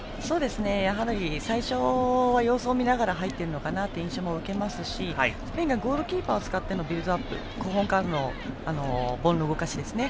最初は様子を見ながら入っているのかなという印象を受けますしスペインがゴールキーパーを使ってのビルドアップボールの動かしですね。